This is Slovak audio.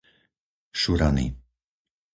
Šurany